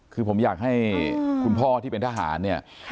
คือผมอยากให้คุณพ่อที่เป็นทหารเนี่ย